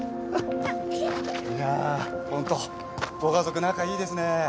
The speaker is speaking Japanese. いやホントご家族仲いいですね。